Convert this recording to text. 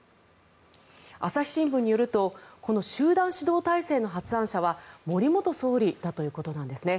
朝日新聞によるとこの集団指導体制の発案者は森元総理だということです。